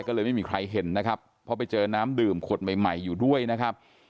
ก็เลยไม่มีใครเห็นนะครับเพราะไปเจอน้ำดื่มขวดใหม่ใหม่อยู่ด้วยนะครับ